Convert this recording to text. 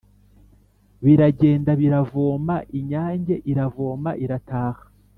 biragenda biravoma. inyange iravoma irataha